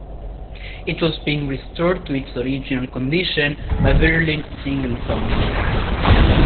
It was being restored to its original condition by Verlin Singleton.